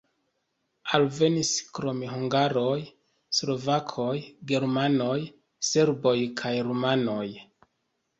Alvenis krom hungaroj slovakoj, germanoj, serboj kaj rumanoj.